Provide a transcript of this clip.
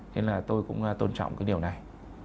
nên là tôi cũng tôn trọng cái điều này